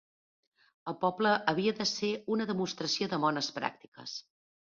El poble havia de ser una demostració de bones pràctiques.